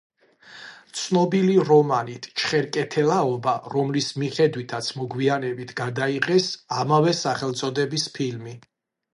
ცნობილია რომანით „ჩხერკეთელაობა“, რომლის მიხედვითაც მოგვიანებით გადაიღეს ამავე სახელწოდების ფილმი.